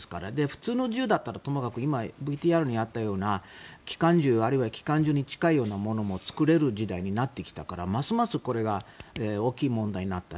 普通の銃だったらともかく今、ＶＴＲにあったような機関銃、あるいは機関銃に近いようなものも作れる時代になってきてるからますますこれが大きい問題になった。